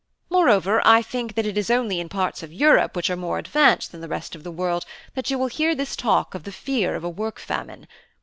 Moreover, I think that it is only in parts of Europe which are more advanced than the rest of the world that you will hear this talk of the fear of a work famine.